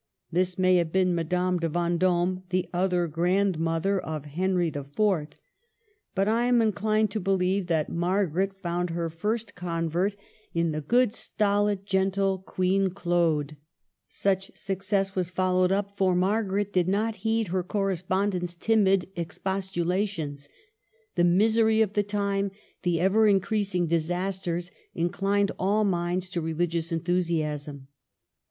This may have been Madame de Vendome (the other grandmother of Henri IV.), but I am inclined to believe that Margaret^?* THE AFFAIR OF MEAUX. 57 found her first convert in the good, stolid, gen tle Queen Claude. Such success was followed up, for Margaret did not heed her correspon dent's timid expostulations. The misery of the time, the ever increasing disasters, inclined all minds to religious enthusiasm.